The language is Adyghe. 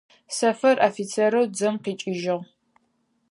Сэфэр офицерэу дзэм къикӏыжъыгъ.